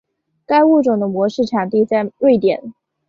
该物种的模式产地在瑞典。